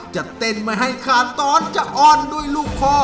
จะเต้นไม่ให้ขาดตอนจะอ้อนด้วยลูกคอ